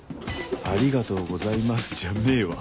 「ありがとうございます」じゃねえわ